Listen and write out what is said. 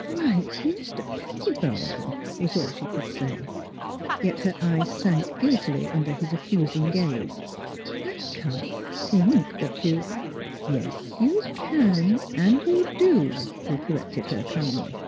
" Why — Mis ter Pettibone! " was all she could say. Yet her eyes sank guiltily under his accusing gaze. " I — I can't think what you "Yes ; you can, — and you do, '' he corrected her, calmly.